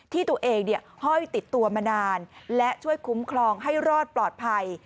ที่ตัวเองห้อยติดตัวมานานและช่วยคุ้มครองให้รอดปลอดภัย